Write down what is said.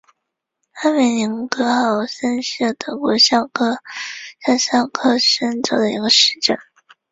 阿梅林格豪森是德国下萨克森州的一个市镇。